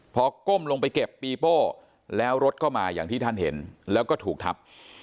พอก้มลงไปเก็บปีโป้แล้วรถก็มาอย่างที่ท่านเห็นแล้วก็ถูกทับ